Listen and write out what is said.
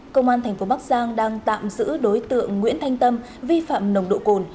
công an tp bắc giang đang tạm giữ đối tượng nguyễn thanh tâm vi phạm nồng độ cồn